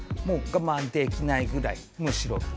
「もう我慢できないぐらいむしろ」